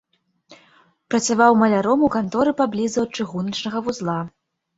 Працаваў маляром у канторы паблізу ад чыгуначнага вузла.